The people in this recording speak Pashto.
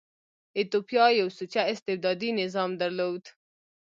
ایتوپیا یو سوچه استبدادي نظام درلود.